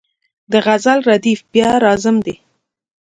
د غزل ردیف بیا راځم دی.